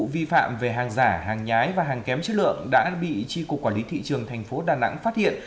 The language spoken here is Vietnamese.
vi phạm về hàng giả hàng nhái và hàng kém chất lượng đã bị tri cục quản lý thị trường thành phố đà nẵng phát hiện